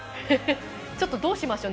ちょっとどうしましょう。